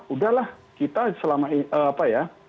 udah lah kita selama ini apa ya